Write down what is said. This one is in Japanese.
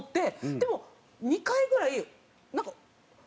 でも２回ぐらいなんかあれ？